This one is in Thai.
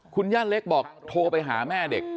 คุณย่าเล็กบอกโทรไปหาแม่เด็ก